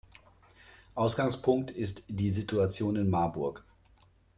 Ausgangspunkt ist die Situation in Marburg.